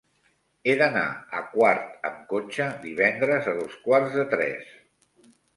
He d'anar a Quart amb cotxe divendres a dos quarts de tres.